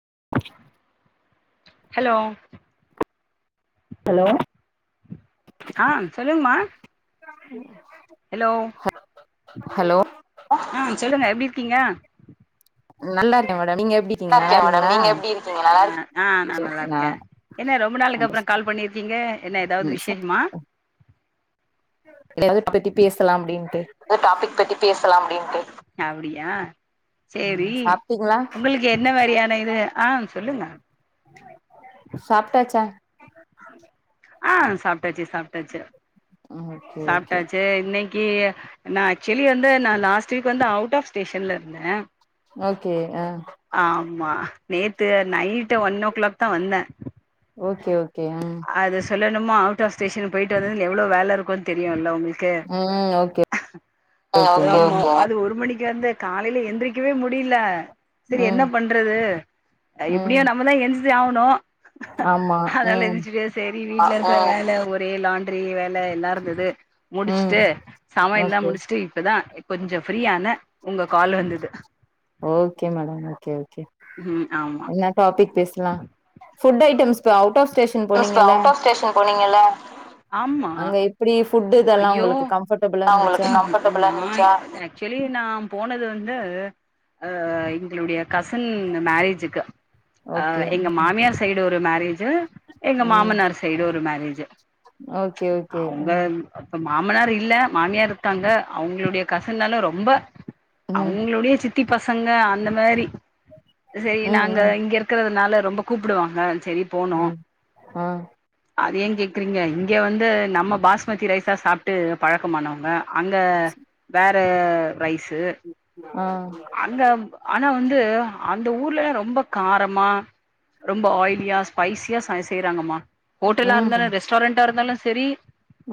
[unintelligible] hello hello ஆ சொல்லுங்கமா உம் [unintelligible] hello hello ஹ ஆ சொல்லுங்க எப்டி இருக்கீங்க நல்லா இருக்கே மேடம் நீங்க எப்டி இருக்கீங்க நல்லா இருக்கே மேடம் இருக்கீங்களா நீங்க எப்டி இருக்கிங்க நல்லா இருக் ஆ நா நல்லா இருக்கே என்ன ரொம்ப நாளைளுக்கு அப்புறோ கால் பண்ணிருக்கீங்க என்ன எதாவது ம் ச விசேஷமா [unintelligible] பத்தி பேசலா அப்டின்ட்டு த்லாம் அப்டின்ட்டு அப்டியா சேரி சாப்ட்டீங்களா உங்களுக்கு என்ன மாரியான தயிரு ஆ சொல்லுங்க சாப்ட்டாச்சா ஆ சாப்ட்டாச்சி சாப்ட்டாச்சி ஓகே ஓகே சாப்ட்டாச்சி இன்னைக் கே நா ஆக்சுலி வந்து நா லாஸ்ட் வீக் வந்து அவுட் ஆஃப் ஸ்டேஷன்ல இருந்தே ஓகே ஆ ஆமா நேத் த்து நைட்டு ஒன் ஓ கிளாக்தா வந்தே ஓகே ஓ கே ம் இன்னுமோ அவுட் ஆஃப் ஸ்டேசன் போயிட்டு வந்தந்து எவ்ளோ வேல இருக்கு தெரியுல்ல உளுக் க்கு ம் ஓகே ஆ ஓகே கோ ம் கோ அது ஒரு மணிக் க்கு வந்து காலையில எந்திரிக்கவே முடியல சரி என்ன ம் பண்றது ம் இப்டியே நம்மதா எஞ் து ஆவனு ஆமா ம் சேரி வீட்ல ஆ இருக்க வேல ஒரே லாண்டிரி வேல எல்லா இருந்தது ம் முடிச்சுட்டு சமையல்லா ஓகே முடிச்சிட்டு இப்பதா கொஞ்ச ஃப்ரீயான உங்க கால் வந்தது ஓகே மேடம் கே ம் ஆமா என்ன டாபிக் பேஸ் ல்லா food items out of station ட்ரஸ்ட் போனீங்கல்ல அவுட் ஆஃப் ஸ்டேசன் போனீங்கல்ல ஆம்மா அங்க எப்டி ஃபுட் இதெல்லா ஐயோ உங்களுக்கு கம்ஃபர்டபிளா அவுங்களுக்கு இருந்துச்சா கம்ஃபர்டபுலா இருந்திச்சா ஆக்சுலி நா போனது வந் வந்து அ எங்களுடைய கசின் மேரேஜுக்கு அ ஓகே எங்க மாமியார் சைடு ஒரு மேரேஜ் எங்க ம் மாமனார் சைடு ஒரு மேரேஜு ஓகே ஓகே அவுங்க ம் இப்ப மாமனார் இல்ல மாமியார் இருக்காங்க அவுங்களுடைய கசின்னால ரொம்ப ம் அவுங்களுடைய சித் சித்தி பசங்க அந்த மாதிரி சரி ம் நாங்க ம் இங்க இருக்குறதுனால ரொம்ப கூப்புடுவாங்க சேரி போனோ ஆ ஆ அத ஏ கேக்குறீங்க இங்க வந்து நம்ம பாஸ் பாஸ்மதி ரைஸா சாப்பிட்டு பழக்கமானவங்க அங்த வேற அந்த ரைஸ் இது ஆ அந்த ஆனா வந்து அந்த ஊர்ல ரொம்ப காரமா ரொம்ப ஆயிலியா ஸ்பைஸியா செய்யுறாங்கம்மா ஹோட்டலா இருந்தாலு ம் ரெஸ்டாரண்டா இருந்தாலு செரி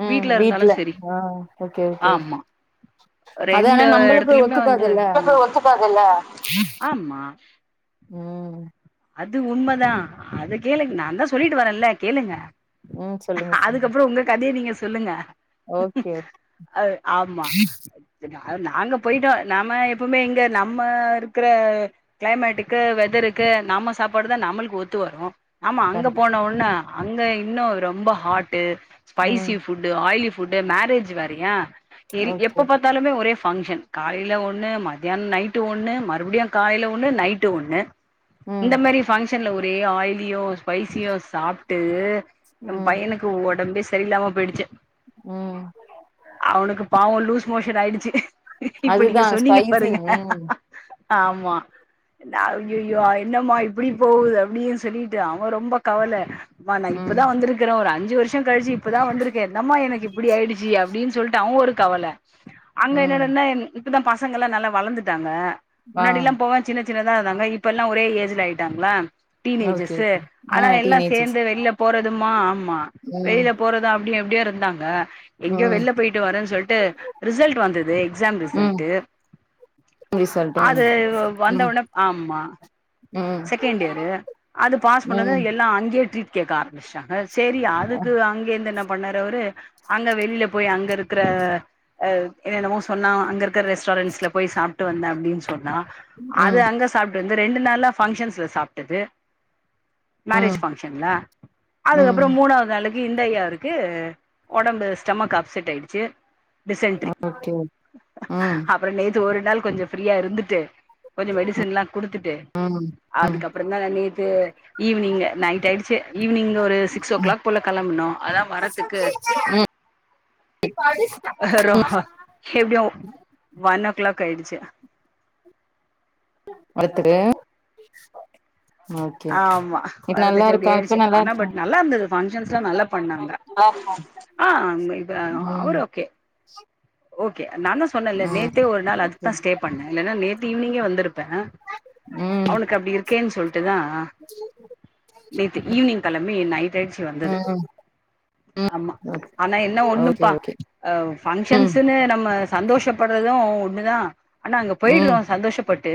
ம் வீட்ல இருந்தாலு சரி ஆ ஓகே ஓகே ஆமா அது ரெண்டு ஆனா நம்பளுக்கு எடத்துலயுமே வந்து ஒத்துக்காதுல்ல ஆமா ம் அது உண்மதா அத கேளுங்க நா தா சொல்லிட்டு வரேல கேளுங்க ம் சொல்லுங்க சொல்லுங்க அதுக்கப்பறோ உங்க கதய நீங்க சொல்லுங்க ஓகே ஓகே அத ஆமா அது நாங்க போயிட்டோ நாம எப்பவுமே இங்கே நம்ம இருக்குற கிளைமேட்டுக்கு வெதருக்கு நம்ம சாப்பாடுதா நம்மளுக்கு ஒத்து வரு ஆமா அங்க கண்டிப்பா போன ஒன்ன அங்க இன்னு ரொம்ப ஹாட்டு ம் spicy food oily food marriage வேரயா ஓகே எப்ப பாத்தாலுமே ஒரே பங்க்ஷன் காலேல ஒன்னு மத்தியான நைட்டு ஒன்னு மறுபடியு காலேல ஒன்னு நைட்டு ஒன்னு ம் இந்த மாரி ஃபங்ஷன்ல ஒரு டே ஆயிலியோ ஸ்பைசியோ சாப்பிட்டு எ ம் பையனுக்கு ஒடம்பே செ செரியில்லாம போயிடிச்சி ம் அவனுக்கு பாவோ லூஸ் மோஷ ஆயிடிச்சி அதுதா ஸ்பைசி ம் ஆமா தா அய்அய்யோ ஆய் இன்னம்மா இப்டி போது அப்டின் சொல்லிட்டு ஆ ரொம்ப கவல மா நா ம் இப்பதா வந்திருக்கிறே ஒரு அஞ்சி வருஷ் ச்சு கழிச்சு இப்பதா வந்திக்கே என்னம்மா எனக்கு இப்டி ஆயிடிச்சி அப்டின்னசொல்ட்டு அவ ஒரு கவல அங்க ம் என்னடனா என் தா பசங்கல்லா நல்லா வளந்துட்டாங்க ஆ முன்னாடி எல்லா போவே சின்ன திலதா இருந்தாங்க இப்பெல்லா ஒரே ஏஜல ஆயிட்டாங்களா ஓகே டீனேஜர்ஸ் ஓகே ஆ ஆனா எல்லா டீனேஜஸ் சேந்து வெளியில போறதுமா ஆமா ம் வெளியில போறது அப் ப்டி எப்டியா இருந்தாங்க எங்கேயோ ம் வெளில போயிட்டு வரன்னு சொல்ட்டு ரிசல்ட் வந்தது எக்ஸாம் ம் ரிசல்டு இப்டி சொல்ட்டே அது வந்த ம் உன ஆமா ம் செகண்ட் இயரு அது பாஸ் பண்ணது ம் எல்லா அங்கே ட்ரீட் கேக்க ஆரம்பிச்சிட்டாங்க சேரி ம் அதுக்கு அங்கே இந்த ந பண்ணாரு அவரு அங்க வெளியில போய் அங்க இருக் இருக்கர அ என்னென்னவோ சொன்னா அங்க இருக்கற ரெஸ்டாரண்ட்ஸ்ல போய் சாப் ட்டு வந்த அப்பிடின் சொன்னா அது ம் அங்க சாப்ட்டுந்து ரெண்டு நாளா ஃபங்க்ஷன்ஸ்ல சாப்ட்டது ம் மேரேஜ் பங்க்ஷன்ல ம் அதுக்கப்புறோ மூனாவது நாளுக் இந்த ஐயாருக்கு ஒடம்பு ஸ்டமக் அப்செட் ஆயிடிச்சி டிசேன்ட்ரி ஓகே ம் அப்புறோ நே த்து ஒரு நாள் கொஞ்சோ ஃப்ரீயா இருந்துட்டு கொஞ்சம் மெடிசன் எல்லா குடுத்துட்டு ம் ம் அதுக்கப்புறதா லே து ஈவினிங் நைட் ஆயிடிச்சி ஈவினிங் ஒரு சிக்ஸ் ஓ ம் கிளாக் போல கெளம்பனோ அதா வரதுக்கு எப்டிய ஒ ஒன் ஓ கிளாக் க்காயிடிச்சி ஒருத்தரு ஆமா வரதுக்கு அப்டி இருக்கா இப்ப ஆயிடிச்சி நல்லா ஆனா இருக்கா பட் நல்லா இருந்தது பங்கஷன்ஸ்லா நல்லா பண்ணாங்க ஆ அங்க இப்ப ம் அவரு ஓகே கே நா தா சொன்னே இல்ல ம் நேத்தே ஒரு நாள் அதுதா ஸ்டே பண்ணனே இல்லனா நேத்து ஈவினிங்கே வந்திருப்பே ம் அவனுக்கு அப்டி இருக்கேன் சொல்ட்டுதா நேத்து ஈவினிங் கெழம் மே நை ட்டாயிச்சி வந்தது ம் ஆமா ஆனா என்ன ஓகே ஒன்னுப்பா ஓகே அ பங்ஷன்ஸ் ம் நம்ம சந்தோஷப்படறது ஒன்னுதா ஆனா அங்க போயிடுறோ ம் சந்தோஷப்பட்டு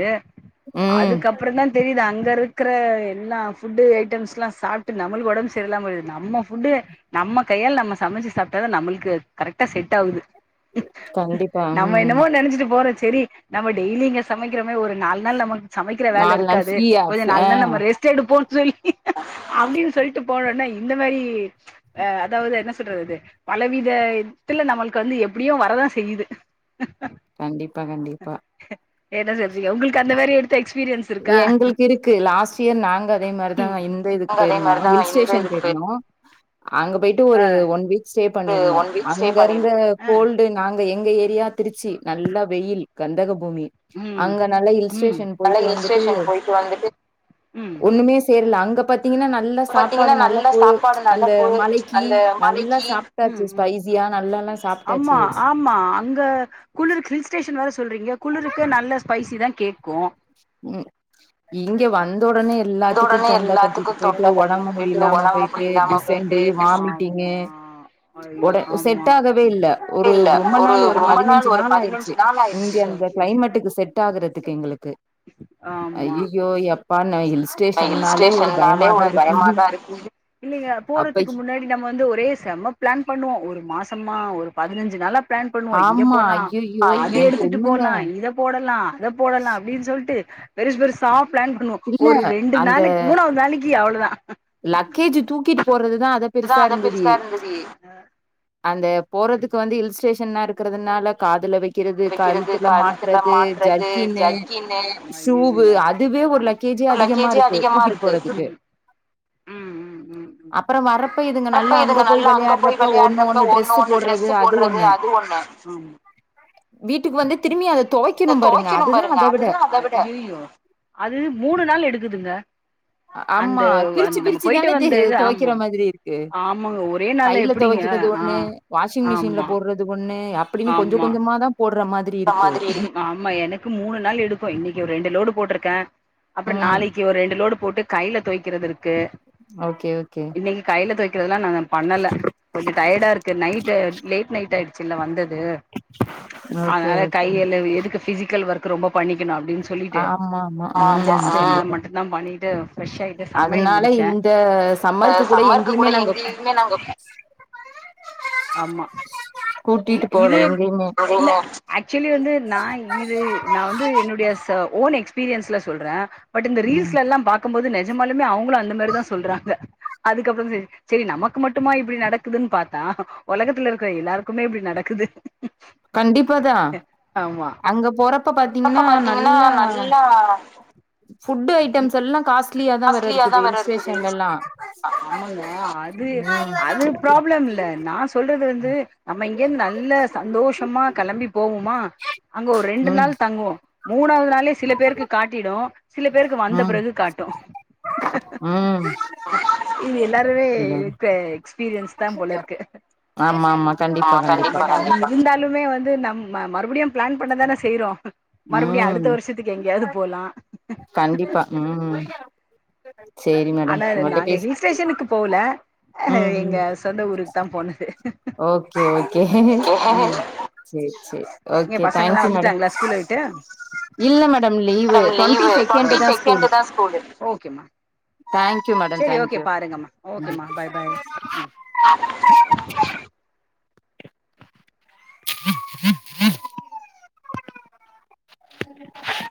ம் அதுக்கப்புறதா தெரியுது அங் இங்க இருக்கிற எல்லா ஃபுட்டு ஐட்டம்ஸ்ல்லா சாப்பிட்டு நம்மளுக்கு ஒடம்பு சரியலாமடிது நம்ம ஃபுட்டு நம்ம கையால நம்ம சமைச்சி சாப்பிட்டாதா நம்மளுக்கு கரெக்டா செட் ஆவுது கண்டிப்பா நம்ம ம் என்னமோ நெனச்சிட்டு போறச் செரி நம்ம டெய்லி இங்க சமைக் க்கரமே ஒரு நால் நாள் நமக்கு சமைக்கிற வேல நாலு நாள் இருக்காது ஃப்ரீயா கொஞ்ச நாலு ஆ நாள் நம்ம ரெஸ்ட் எடுப்போ அப்டின் சொல்ட்டு போனோன்னே இந்த மாரி அ அதாவது என்ன சொல்றது பலவிதத்துல நம்மளுக்கு வந்து எ ப்டியு வரதா செய்யுது கண்டிப்பா கண்டிப்பா என்னசரிசிங்க உங்களுக்கு அந்த வேரிது எங்களுக்கு இருக்கு லாஸ்ட் இயர் நாங்க அதே மாரிதா ம் இந்த இதுக்கு அங்க அதே போயிருந்தோ மாரிதா ஹில் இந்த ஸ்டேஷன் இதுக்கு போய் போயிருந்தோ அங்க போயிட்டு ஆ ஒரு ஒன் வீக் ஸ்டே பண்ணிருந்தோ ஒன் வீக் ஸ்டே அங்க பண்ணிரு இருந்த ஆ கோல்டு நாங்க த எங்க ஏரியா திருச்சி நல்ல வெயில் கந்தக பூமி ம் அங்க நல்லா ஹில் ம் ஸ்டேஷன் போயி நல்லா ஹில் ஸ்டேஷன் போயிட்டு வந்துட்டு ம் சேர்ல அங்க பாத் திங்கன்னா நல்லா சாப்பாடு பாத்தீங்கன்னா நல்லா நல்ல பு சாப்பாடு நல்லா அந்த போ மலைக்கு அந்த நல்லா மலைக்கி ம் சாப்பிட்டாச்சி ம் ஸ்பைசியா நல்லா ஆமா ஆமா அங்க குள்ளிருக்கு ஹில் ஸ்டே [unintelligible] வர சொல்றீங்க குழுிருக்கு நல்ல ஸ்பைசி தா கேக்கு ம் இங்க வந் ந்த உடனே எல்லாத்துக்கு ஒடனே தொண்ட கட்டிட்டு எல்லாத்துக்கு தொண்ட போயிட்டு ஒடம்பு கட்டிட்டு போயிட்டு முடியிலாம ஒடம்பு போயிட்டு முடியில்லாம போயிட்டு டிசன்டரி டிஸ் வாமிட்டிங்கு ஆமா ஐயோ உட ஆமா செட் ஆகவே இல்ல ஒரு இல்ல ரொம்ப நாள் ஒரு ரொம்ப பதினஞ்சு ஒரு நாள் ஆயிடுச்சு பதினஞ்சு நாள் ஆயிடுச்சு இங்க அந்த அச்சச்சோ கிளைமேட்டுக்கு செட் ஆகுறதுக்கு எங்களு க்கு அய்யோயப் போலீஸ் ஸ்டேஷன் னாஸே ஒரு பயமா இருக்கு தா இருக்கு இல்லிங்க அப்ப போறதுக்கு முன்னாடி நம்ம வந்து ஒரே செம்ம பிளான் பண்ணுவோ ஒரு மாச மா ஒரு பதினஞ்சு நாளா பிளான் பண்ணுவோ இங்க ஆமா போகலா ஐயையோ அத என் எடுத்துட்டு பொண்ணுங்க போகலா இத போடலா அத போடலா அப்டின்னு சொல்லிட்டு வெரிஸ் பெரிசா ப்ளான் இல்ல ஒரு ரெண்டு அந்த நாளைக்கு மூணாவது நாளைக்கு அவ்ளவுதா லக்கேஜ் தூக்கிட்டு போறது இதுதா அத பெருசா இருந்தது அந்த போறதுக்கு வந்து ஹில் ஸ்டேஷன்னா இருக்கிறதுனால காதல வை க்கிறது வைக்கிறது கழுத்துல மாட்டுறது மாட்றது ஜர்க்கின்னே ஜர்க்கின்னு ஷூவு ஐயையோ அதுவே ஒரு லக்கேஜி ஆமா அதிகமா லக்கேஜே இருக்கு அதிகமா தூக்கிட்டு இருக்கு போடுறதுக்கு அப்புறம் வ வரப்ப இதுங்க நல்லா அங்க போய் ஒண்ணு விளையாடுறப்ப ஒண்ணு ட்ரெஸ் ஒண்ணு போடுறது ட்ரெஸ்ு அது போடுறது ஒண்ணு அது ஒண்ணு வீட்டுக்கு வந்து திரும்பி அத பாருங்க துவைக்கணு அதுதா பாருங்க அத விட அதுதா அத விட அது மூணு நாள் எடுக்குதுங்க ஆமா அந்த பிரிச்சு அந்த நம்ம போயிட்டு பிரிச்சுதானே து வந்த இது துவைக்கிற ஆமா மாதிரி இருக்கு ஆமாங்க ஒரே நாள்ல கையில எப்டிங்க துவைக்கிறது ஆ ஒண்ணு வாஷிங் மிஷின்ல ஆமா போடுறது ஒண்ணு அப்டின்னு கொஞ்ச கொஞ்சமா தா போடுற மாதிரி இருக்கு திரி ஆமா எனக்கு மூணு நாள் எடுக்கு இன்னைக்கு ஒரு ரெண்டு லோடு போட்டிருக்கே அப்புறோ ம் நாளைக்கு ஒரு ரெண்டு லோடு போட்டு கையில துவைக்கிறது இருக்கு க்கு ஓகே ஓகே இன்னைக்கு கையில துவைக் கில்லா நாங்க பண்ணல கொஞ்சோ டயர்டா இருக்கு நைட் லேட் நைட் ஆயிட் சில வந்து இது ஓகே அத ஓகே கையில எதுக்கு பிசிக்கல் ஒர்க் ரொம்ப பண்ணி இருக்னு அப்டின்னு சொல்லிட்டு ஆமா ஆமா ம் கண்டிப்பா மட்டுதா பண்ணிட்டு ஃப்ரெஷ் ஆயிட்டு சமையல அதனால முடிச்சே இந்த சம்மருக்கு கூட எங்கேயுமே நாங்க ஆமா இல்ல கூட்டிட்டு போல இது எங்கேயுமே இல்ல ஆக்சுவலி வந்து நா இது நா வந்து என்னுடைய ஓ ஓன் எக்ஸ்பீரியன்ஸ்ல சொல்றே பட் இந்த ரீல்ஸ் ம் எல்லா பாக்கும் போது நெஜமலுமே அவுங்களு அந்த மாதிரி தா சொல்றாங்க அதுக்கப்பறோ சரி நமக்கு மட்டுமா இப்டி நடக்குதுன்னு பாத்தா ஒலகத்தல இருக்குற எல்லாருக்கு மே இப்படி நடக்குது கண்டிப்பாதா ஆமா அங்க போறப்ப அப்ப பாத்தீங்னா பாத்தீங்கன்னா நல்லா ஃபுட் ஐட்டம்ஸ் எல்லா காஸ்ட்லியா காஸ்லியா இருக்குது தா வேற ஹில் இருக்குது ஸ்டேஷன்ல எல்லா ஆமாங்க அது ம் அது ப்ராப்ளம் இல்ல நா சொல்றது வந்து நம்ம இங்க இருந்து நல்ல சந்தோஷமா கெளம்பி போவோமா அங்க ஒரு ரெண்டு ம் நாள் தங்குவோ மூனாவது நாளே சில பேருக்கு காட்டிடு சில சில பேருக்கு வந்த ம் பெறகு காட்டு இது எல்லாருமே ம் எக்ஸ்பீ ரீஸ்தா போல இருக்கு ஆமா கண்டிப்பா கண்டிப்பா இருந்தாலுமே வந்து நம் ம மறுபடியு பிளான் பண்ணதான செய்யுறோ மறுபடியு அடுத்த ம் வருஷத்துக்கு எங்கேயாவது போலா [inaudible] கண்டிப்பா உம் ஆனா நாங்க ஹில் ஸ்டேஷனுக்கு போல ம் ம் எங்க சொந்த ஊருக்கு தா போனது ஓகே ஓகே ஓஹோ சேரி சேரி ஓகே பசங்கல்லா தேங்க்யூ மேடம் வந்துடங்ளா ஸ்கூலு விட்டு இல்ல இல்ல madam madam twenty leave second twenty தா செகண்டுதா ஸ்கூலு ஓகே மா தேங்க்யூ மேடம் சரி தேங்க்யூ ஓகே பாருங்கமா ஓகே மா பாய் பாய் [unintelligible]